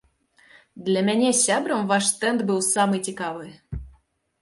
Для мяне з сябрам ваш стэнд быў самы цікавы!